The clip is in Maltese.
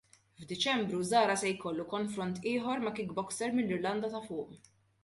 F'Diċembru Zahra se jkollu konfront ieħor ma' kickboxer mill-Irlanda ta' Fuq.